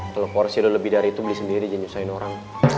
kalo porsi lo lebih dari itu beli sendiri jangan nyusahin orang